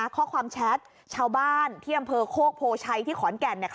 ข้อความแชทชาวบ้านที่อำเภอโคกโภไชที่ขอนแก่นนี้